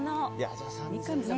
三上さん